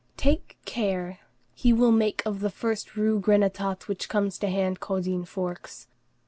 Take care! he will make of the first Rue Grenétat which comes to hand Caudine Forks.